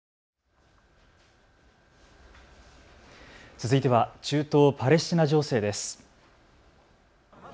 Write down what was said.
続いては中東パレスチナ情勢です。